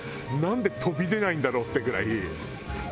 なんで飛び出ないんだろうってぐらい。